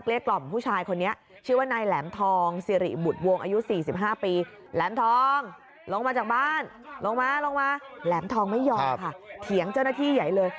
เตียงเจ้าหน้าที่ใหญ่เลย